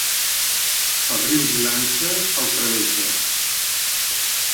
El riu Durance el travessa.